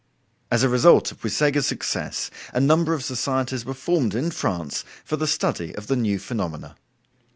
As a result of Puysegur's success, a number of societies were formed in France for the study of the new phenomena.